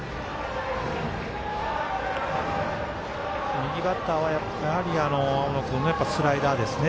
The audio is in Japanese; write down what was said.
右バッターは青野君、やはりスライダーですね。